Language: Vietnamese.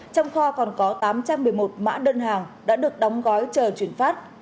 trong kho còn có tám trăm một mươi một mã đơn hàng đã được đóng gói chờ chuyển phát